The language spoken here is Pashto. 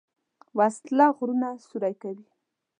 وسله غرونه سوری کوي